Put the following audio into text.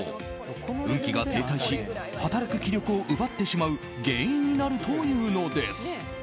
運気が停滞し働く気力を奪ってしまう原因になるというのです。